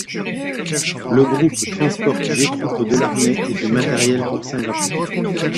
Le groupe transporte des troupes de l'armée et du matériel pour Singapour.